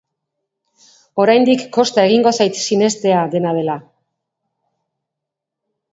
Oraindik kosta egingo zait sinestea, dena dela.